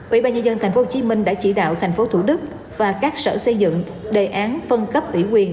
ủy ban nhân dân tp hcm đã chỉ đạo tp thủ đức và các sở xây dựng đề án phân cấp ủy quyền